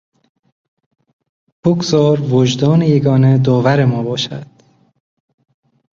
بگذار وجدان یگانه داور ما باشد.